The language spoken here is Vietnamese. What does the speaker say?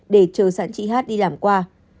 để chờ sẵn chị hát đi làm qua